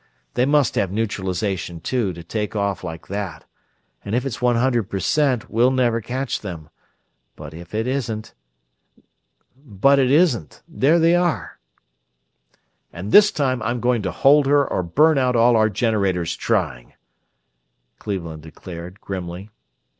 They must have neutralization, too, to take off like that; and if it's one hundred per cent we'll never catch them ... but it isn't there they are!" "And this time I'm going to hold her or burn out all our generators trying," Cleveland declared, grimly.